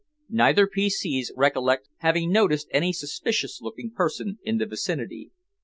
Neither P.C.'s recollect having noticed any suspicious looking person in the vicinity.